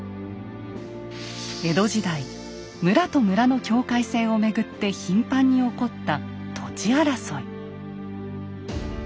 江戸時代村と村の境界線をめぐって頻繁に起こった土地争い。